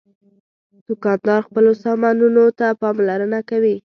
دوکاندار خپلو سامانونو ته پاملرنه کوي.